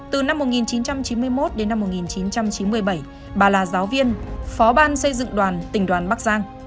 từ năm một nghìn chín trăm chín mươi một đến năm một nghìn chín trăm chín mươi bảy bà là giáo viên phó ban xây dựng đoàn tỉnh đoàn bắc giang